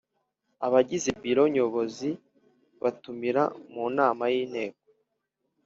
Abagize Biro Nyobozi batumira mu nama y Inteko